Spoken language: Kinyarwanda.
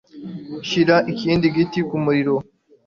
Shyira ikindi giti ku muriro.